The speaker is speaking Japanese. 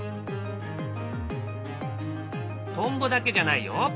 トンボだけじゃないよ。